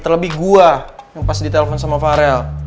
terlebih gue yang pas di telepon sama varel